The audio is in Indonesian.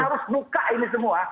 jadi kita harus buka ini semua